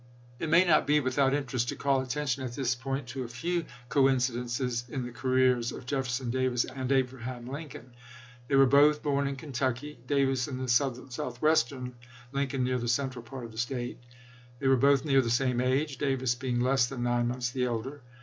It may not be without interest to call attention at this point to a few coincidences in the careers of Jefferson Davis and Abraham Lincoln. They were both born in Kentucky — Davis in the south western, Lincoln near the central part of the State. They were both near the same age, Davis being less than nine months the elder.